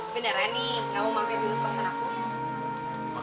beneran nih gak mau mampir dulu pas anakku